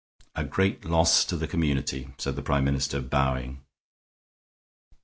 "A great loss to the community," said the Prime Minister, bowing.